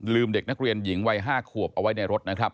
เด็กนักเรียนหญิงวัย๕ขวบเอาไว้ในรถนะครับ